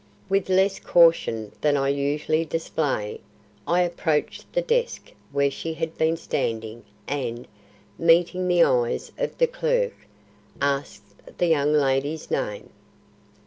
With less caution than I usually display, I approached the desk where she had been standing and, meeting the eyes of the clerk, asked the young lady's name.